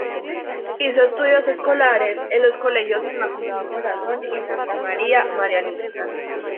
Hizo estudios escolares en los colegios Inmaculado Corazón y Santa María Marianistas.